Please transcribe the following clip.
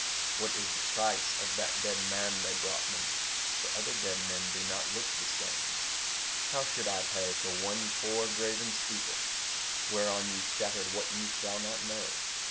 What is the price of that dead man they brought me? For other dead men do not look the same. How should I pay for one poor graven steeple Whereon you shattered what you shall not know?